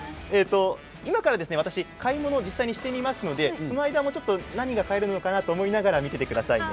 今から私、買い物を実際にしてみますのでその間何が買えるのか思いながら見ていてください。